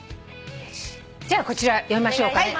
じゃあこちら読みましょうか。